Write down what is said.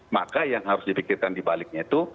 maka yang harus dipikirkan dibaliknya itu